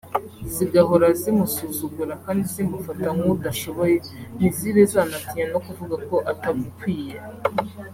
zigahora zimusuzugura kandi zimufata nk’udashoboye ntizibe zanatinya no kuvuga ko atagukwiye